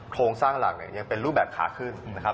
โครงสร้างหลักเนี่ยยังเป็นรูปแบบขาขึ้นนะครับ